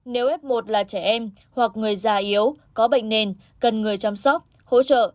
nếu f một là trẻ em hoặc người già yếu có bệnh nền cần người chăm sóc hỗ trợ